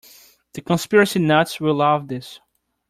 The conspiracy nuts will love this.